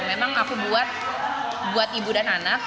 memang aku buat ibu dan saya sangat tenang